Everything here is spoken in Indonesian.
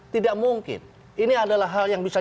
tidak mungkin ini adalah hal yang bisa